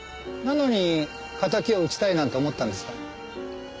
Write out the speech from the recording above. なのに敵を討ちたいなんて思ったんですか？